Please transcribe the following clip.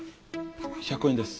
１００円です。